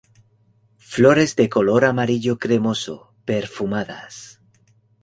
Flores de color amarillo cremoso, perfumadas.